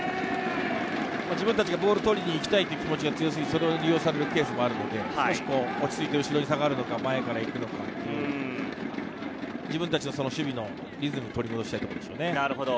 自分たちがボールを取りに行きたいという思いが強すぎて利用されるケースがあるので、落ち着いて後ろに下がるのか、前に行くのか、自分達の守備のリズムを取り戻したいところです。